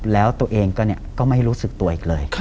แล้วตัวเองก็ไม่รู้สึกตัวอีกเลย